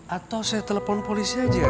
atau saya telepon polisi aja